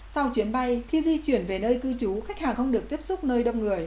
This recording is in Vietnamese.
sau chuyến bay khi di chuyển về nơi cư trú khách hàng không được tiếp xúc nơi đông người